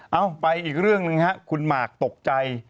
เอาไปอีกเรื่องหนึ่งครับคุณหมากตกใจ